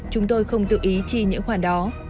chúng tôi không tự ý chi những khoản đó